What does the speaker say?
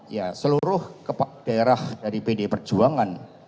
ya seluruh daerah dari pd perjuangan